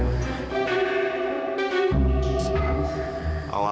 ah sial banget